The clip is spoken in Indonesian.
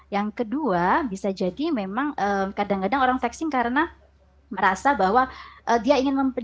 yang kedua bisa jadi memang kadang kadang orang flexing karena merasa bahwa dia ingin memperbaiki